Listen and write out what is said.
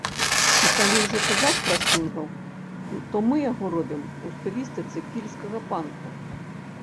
І калі ўжо казаць пра сінгл, то мы яго робім у стылістыцы кельцкага панку.